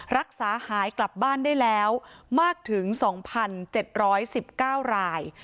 รักษาหายกลับบ้านได้แล้วมากถึง๒๗๑๙ราย